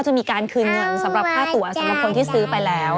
จะมีการคืนเงินสำหรับค่าตัวสำหรับคนที่ซื้อไปแล้ว